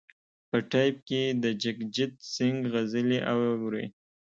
په ټیپ کې د جګجیت سنګ غزلې اوري.